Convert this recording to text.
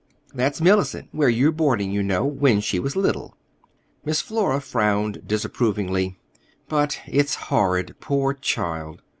"That's Mellicent—where you're boarding, you know—when she was little." Miss Flora frowned disapprovingly. "But it's horrid, poor child!"